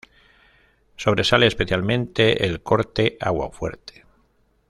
Sobresale especialmente el corte 'Aguafuerte'".